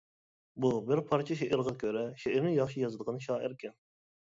بۇ بىر پارچە شېئىرغا كۆرە، شېئىرنى ياخشى يازىدىغان شائىركەن.